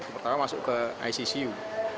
pertama masuk ke iccu